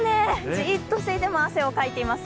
じっとしていても汗をかいています。